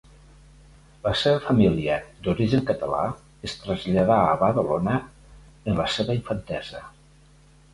La seva família, d'origen català, es traslladà a Badalona en la seva infantesa.